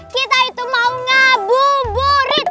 kita itu mau ngabu burit